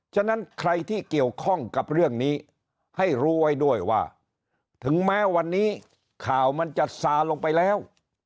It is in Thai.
ฉะนั้นใครที่เกี่ยวข้องกับเรื่องนี้ให้รู้ไว้ด้วยว่าถึงแม้วันนี้ข่าวมันจะซาลงไปแล้ว